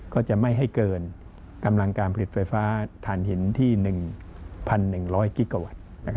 ก็จะไม่ให้เกินกำลังการผลิตไฟฟ้าฐานหินที่๑๑๐๐กิกาวัตต์